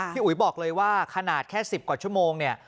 พี่อุ๋ยบอกเลยขนาดแค่๑๐กว่าชั่วโมง